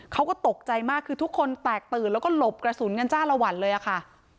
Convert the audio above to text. เขาก็ตกใจมากคือทุกคนแตกตื่นแล้วก็หลบกระสุนกันจ้าละวันเลยอะค่ะ